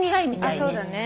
そうだね。